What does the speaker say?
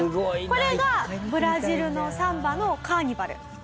これがブラジルのサンバのカーニバル。